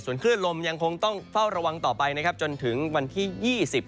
ส่วนคืนลมยังคงต้องเฝ้าระวังต่อไปจนถึงวันที่๒๐